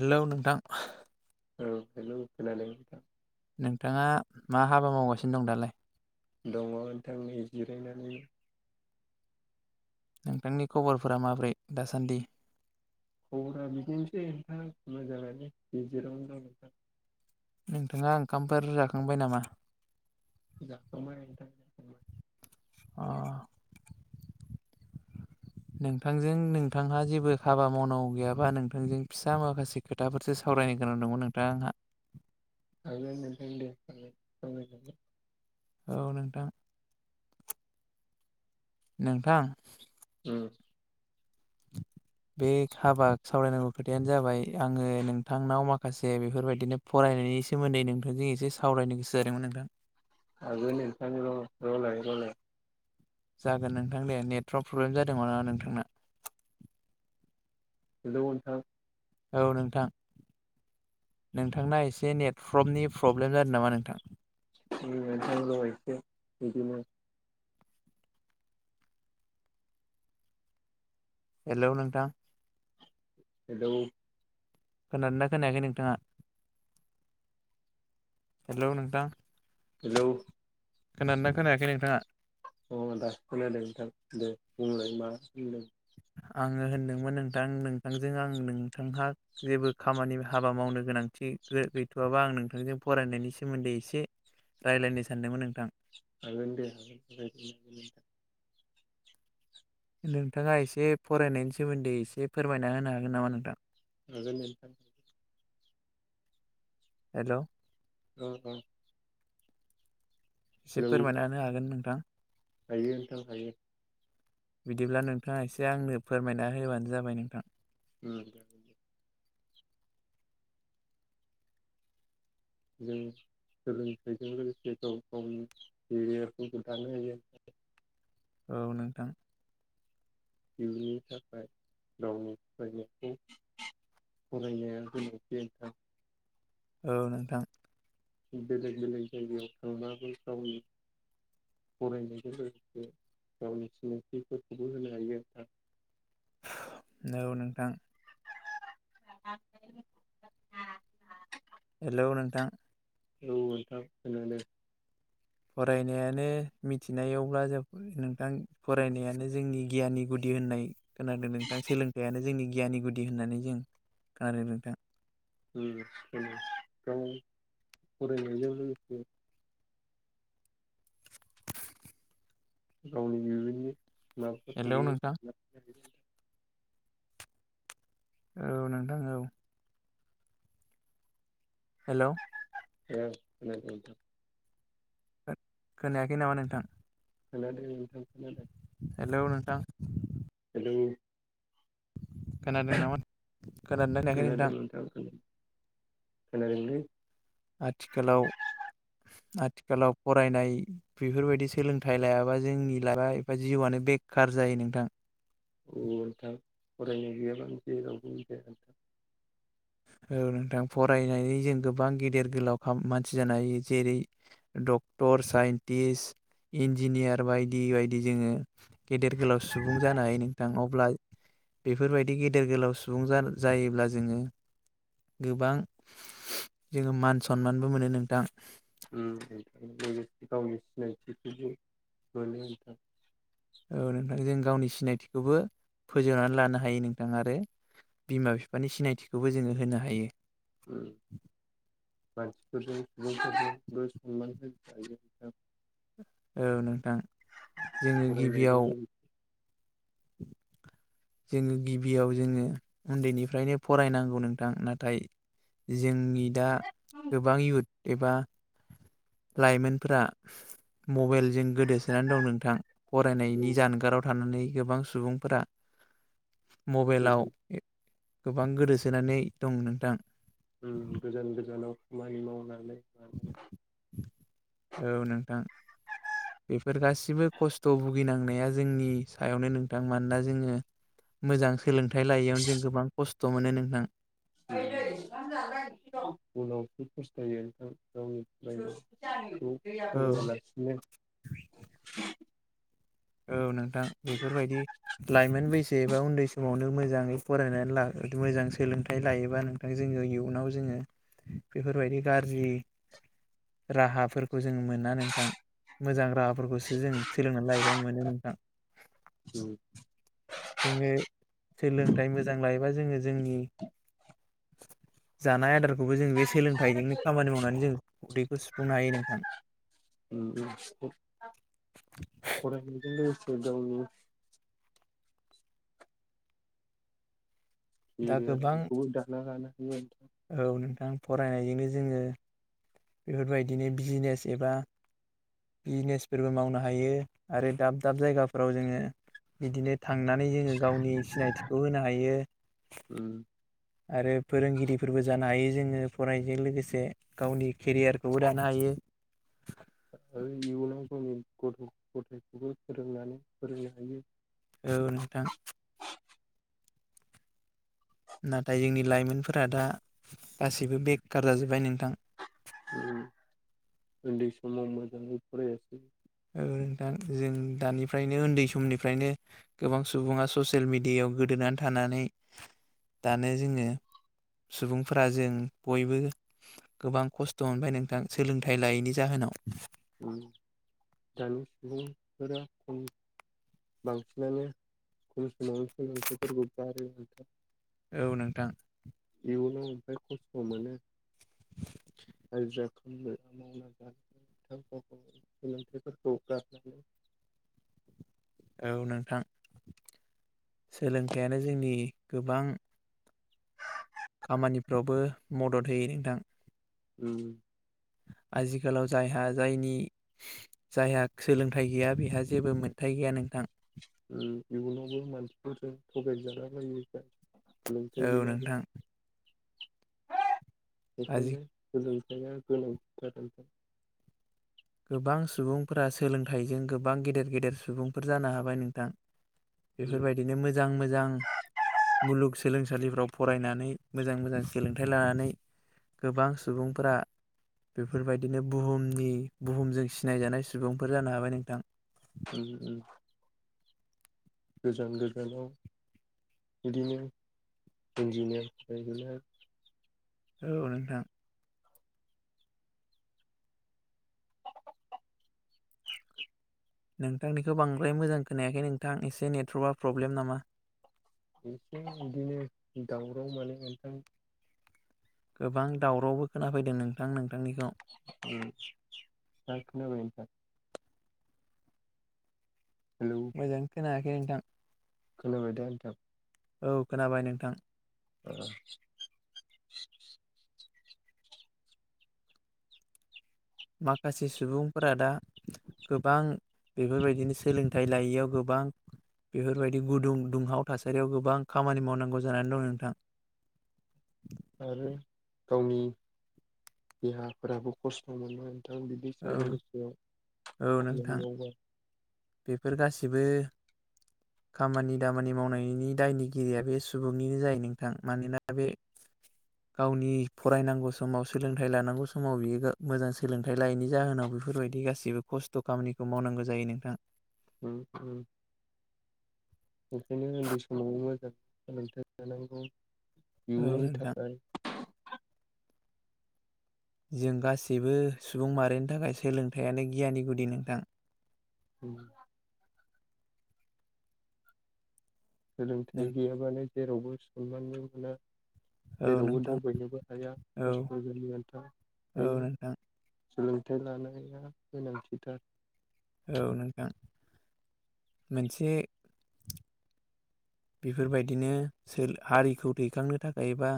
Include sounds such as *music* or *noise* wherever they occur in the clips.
Hello नोंथां औ hello नोंथाङा मा हाबा मावगासिनो दं दालाय दङ नोंथां नै जिरायनानै नोंथांनि खबरफोरा माब्रै दासान्दि खबरा बिदिनोसै नोंथां मोजाङानो गेजेरावनो दं नोंथां नोंथाङा ओंखामफोर जाखांबाय नामा जाखांबाय नोंथां अ नोंथांजों नोंथांहा जेबो हाबा मावनांगौ गैयाबा नोंथांजों फिसा माखासे खोथाफोरसो साव सावरायनो गोनां दंमोन नोंथां आहा हागोन नोंथां दे औ नोंथां नोंथां ओम *inaudible* बे हाबा सावरायनांगौ खोथायानो जाबाय आङो नोंथांनाव माखासे बेफोरबायदिनो फराय नायनि सोमोन्दै नोंथांजों एसे सावरायनो गोसो जादोंमोन नोंथां हागोनदे नोंथां र' र'लाय र'लाय जागोन नोंथां दे नेटवार्क प्रब्लेम जादोंमोन नामा नोंथांना हेलौ नोंथां औ नोंथां नोंथांना एसे नेटवर्कनि प्रब्लेम जादों नामा नोंथां? *unintelligible* बिदिनो हेल' नोंथां हेलौ खोनादोना खोनायाखै नोंथाङा हेल' नोंथां हेलौ खोनादोना खोनायाखै नोंथाङा? अ दा खोनादों नोंथां दे बुंलाय मा बुंदों? आङो होनदोंमोन नोंथां नोंथांजों आं नोंथांहा जेबो खामानि हाबा मावनो गोनां थिग गैथ'वाबा आं नोंथांजों फरायनायनि सोमोन्दै इसे रायलायनो सानदोंमोन नोंथां हागोनदे। नोंथाङा एसे फरायनायनि सोमोन्दै इसे फोरमायना होनो हागोन नामा नोंथां? हागोन नोंथां हेल' औ औ इसे फोरमायना हागोन नोंथां? हायो नोंथां हायो। बिदिब्ला नोंथाङा एसे आंनो फोरमायना होबानो जाबाय नोंथां ओम जों सोलोंथाइजों लोगोसे गाव गावनि केरियारबो दानो हायो औ नोंथां इयुननि थाखाय गावनि फायनायखौ फरायनाया *unintelligible* औ नोंथां बेलेग बेलेग जायगायाव थांनाबो गावनि फरायनायजों लोगोसे गावनि सिनायथिफोरखौबो होनो हायो औ नोंथां *inaudible* हेलौ नोंथां औ नोंथां खोनादों। फरायनायानो मिथिनायावब्ला जों नोंथां फरायनायानो जोंनि गियाननि गुदि होननाय खोनादों नोंथां सोलोंथाइयानो जोंनि गियाननि गुदि होननानै जों खोनादों नोंथां। *unintelligible* फरायनायजों लोगोसे गावनि *unintelligible* हेलौ नोंथां बिमाफोरखौबो औ नोंथां औ। हेलौ औ *unintelligible* खोनायाखै नामा नोंथां? खोनादों नोंथां खोनादों। हेलौ नोंथां औ खोनादों नामा खोनादोंना खोनायाखै खोनादों नोंथां खोनादोंलै। आथिखालाव आथिखालाव फरायनाय बेफोरबायदि सोलोंथाइ लायाबा जोंनि लागब एबा जिउआनो नो बेखार जायो नोंथां। औ नोंथां फरायनाय गैयाबानो जेरावबो जाया नोंथां। औ नोंथां फरायनानै जों गोबां गेदेर गोलाव मानसि जानो हायो जेरै ड डक्टर, साइन्टिस इन्जिनियार बायदि बायदि जोङो गेदेर गोलाव सुबुं जानो हायो नोंथां अब्ला बेफोरबायदि गेदेर गोलाव सुबुं जायोब्ला जोङो गोबां जोङो मान सनमानबो मोनो नोंथां। उम लोगोसे गावनि सिनायथिखौबो मोनो नोंथां। औ नोंथां जों गावनि सिनायथिखौबो फोजौनानै लानो हायो नोंथां आरो बिमा बिफानि सिनायथिखौबो जोङो होनो हायो। उम मानसिफोरजों सुबुंफोरजोंबो सनमान होनो हायो नोंथां। औ नोंथां जोङो फरायनायजों गिबियाव लोगोसे *inaudible* जोङो गिबियाव जोङो उन्दैनिफ्रायनो फरायनांगौ नोंथां नाथाय जोंनि दा गोबां युथ एबा लाइमोनफोरा मबाइलजों गोदोसोनानै दं नोंथां औ फरायनायनि जानगाराव थानानै गोबां सुबुंफोरा मबाइलाव गोजान गोबां गोदोसोनानै दं नोंथां। उम गोजान *unintelligible* औ नोंथां। बेफोर गासेबो खस्थ' भुगिनांनाया जोंनि सायावनो नोंथां मानोना जोङो मोजां सोलोंथाइ लायैयावनो जों गोबां खस्थ मोनो नोंथां। *unintelligible* उनावसो फस्थायो नोंथां। फराया औ लासिनो औ नोंथां बेफोरबायदि लाइमोन बैसो एबा उन्दै समावनो मोजाङै फरायनानै ला मोजां सोलोंथाइ लायोबा नोंथां जोङो इयुनाव जोङो बेफोरबायदि गाज्रि राहाफोरखौ जोङो मोना नोंथां मोजां राहाफोरखौसो जों सोलोंना लायो। गोबां मोनो नोंथां उम जोङो सोलोंथाइ मोजां लायोबा जोङो जोंनि जानाय आदारखौबो जों बे सोलोंथाइजोंनो खामानि मावनानै जों उदैखौ सुफुंनो हायो नोंथां। उम उम *unintelligible* गावनि दा गोबां दाना लानो हायो। औ नोंथां फरायनायजोंनो जोङो बेफोरबायदिनो बिजनेस एबा बिजनेसफोरबो मावनो हायो आरो दाब दाब जायगाफोराव जोङो बिदिनो थाङ थांनानै जोङो गावनि सिनायथिखौ होनो हायो उम आरो फोरोंगिरिफोरबो जानो हायो जोङो फरायजों लोगोसे गावनि केरियारखौबो दानो हायो *inaudible* आरो इयुनाव जोंनि गथ' गथायखौबो फोरोंनानै फोरोंनो हायो औ नोंथां नाथाय जोंनि लाइमोनफोरा दा गासैबो बेखार जाजोब्बाय नोंथां उम उन्दै समाव मोजाङै फरायासै औ नोंथां जों दानिफ्रायनो उन्दै समनिफ्रायनो गोबां सुबुङा ससियेल मिडियायाव गोदोन नानै थानानै दानो जोङो सुबुंफोरा जों बयबो गोबां खस्थ' मोनबाय नोंथां सोलोंथाइ लायैनि जाहोन नाव उम दानि सुबुंफोरा *unintelligible* बांसिनानो *unintelligible* औ नोंथां इयुनाव ओयफ्राय खस्थ' मोनो *unintelligible* बिथां *unintelligible* सोलोंथाइफोरखौ गारनानै *inaudible* औ नोंथां सोलोंथायानो जोंनि गोबां खामानिफ्रावबो मदद होयो नोंथां उम आजिखालाव जायहा जायनि जायहा सोलोंथाइ गैया बेहा जेबो मोनथाय आय गैया नोंथां उम इयुनावबो मानसिफोरजों थगायजाला बायो फाय औ *unintelligible* नोंथां आजि बेखायनो सोलोंथाया गोनां जादों नोंथां गोबां सुबुंफोरा सोलोंथाइजों गोबां गेदेर गेदेर सुबुंफोर जानो हाबाय नोंथां उम बेफोरबायदिनो मोजां मोजां मुलुग सोलों सालिफ्राव फरायनानै मोजां मोजां सोलोंथाइ लानानै गोबां सुबुंफोरा बेफोरबायदिनो बुहुमनि बुहुमजों सिनायजानाय सुबुंफोर जानो हाबाय नोंथां उम उम गोजान गोजानाव बिदिनो *unintelligible* औ नोंथां नोंथांनिखौ बांद्राय मोजां खोनायाखै नोंथां एसे नेटवरकआ प्रब्लेम नामा एसे बिदिनो दावराव माने नोंथां गोबां दावरावबो खोनाफैदों नोंथां नों उम दा खोनाबाय नोंथां हेलौ मोजां खोनायाखै नोंथां खोनाबाय दा नोंथां औ खोनाबाय नोंथां औ माखासे सुबुंफोरा दा गोबां बेफोरबायदिनो सोलोंथाइ लायैयाव गोबां बेफोरबायदि गुदुं दुंहाव थासारियाव गोबां खामानि मावनांगौ जानानै दं नोंथां *inaudible* आरो गावनि देहाफोराबो खस्थ' मोनो थां बिदि औ सान्दुं गोसायाव औ खामानि नोंथां मावबा बेफोर गासिबो खामानि दामानि मावनायनि दायनिगिरिया बे सुबुंनिनो जायो नोंथां मानोना बे गावनि फरायनांगौ समाव सोलोंथाइ लानांगौ समाव बियो मोजां सोलोंथाइ लायैनि जाहोनाव बेफोरबायदि गासैबो खस्थ' खामानिखौ मावनांगौ जायो नोंथां उम उम ओंखायनो उन्दै समाव मोजां सोलोंथाइ लानांगौ औ इयुननि नोंथां थाखाय जों गासैबो सुबुं माहारिनि थाखाय सोलोंथायाइयानो गियानि गुदि नोंथां उम सोलोंथाइ नों गैयाबानो जेरावबो सनमानबो मोना औ जेरावबो नोंथां दावबायनोबो हाया औ खस्थ' जायो नोंथां औ बेखायनो नोंथां सोलोंथाइ लानाया गोनांथिथार औ नोंथां मोनसे बेफोरबायदिनो सोर हारिखौ दैखांनो थाखायबा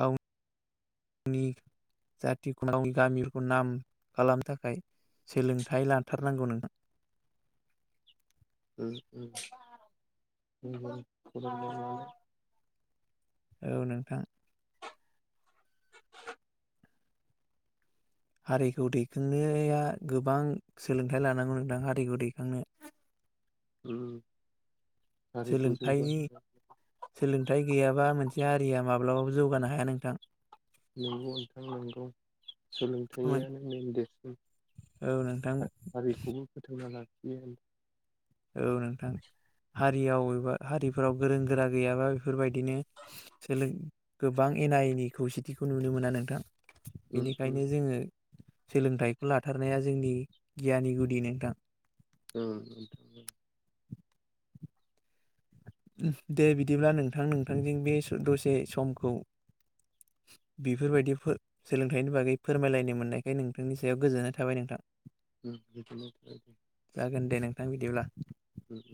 गाव नि जाथिखौ गावनि गामिखौ नाम खालामनो थाखाय सोलोंथाइ लाथारनांगौ नोंथां उम उम *unintelligible* औ नोंथां *unintelligible* हारिखौ दैखांनाया गोबां सोलोंथाइ लानांगौ नोंथां हारिखौ दैखांनो *unintelligible* उम हारिखौ सोलोंथाइनि जौगाहोनो सोलोंथाइ गैयाबा मोनसे हारिया माब्लाबाबो जौगानो हाया नोंथां नंगौ नोंथां नांगौ औ सोलोंथायाइयानो मेन देरसिन नोंथां हा हारिखौबो फोथांना लाखियो आ औ नोंथां हारियाव एबा हारिफोराव गोरों गोरा गैयाबा बेफोरबायदिनो सोलों गोबां एना एनि खौसेथिखौ नुनो मोना नोंथां उम उम बेनिखायनो जोङो सोलोंथाइखौ लाथारनाया जोंनि गियानि गुदि नोंथां औ दे बिदिब्ला नोंथां नोंथांजों बे दसे समखौ बेफोरबायदि सोलोंथाइनि बागै फोरमायलायनो मोननायखाय नोंथांनि सायाव गोजोननाय थाबाय नोंथां *inaudible* जागोन दे नोंथां बिदिब्ला उम